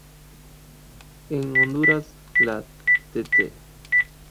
En Honduras la Tte.